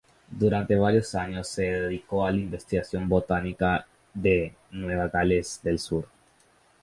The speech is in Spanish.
Durante varios años se dedicó a la investigación botánica de Nueva Gales del Sur.